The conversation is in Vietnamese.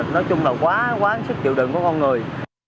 nói chung là quá quá sức chịu đựng của con người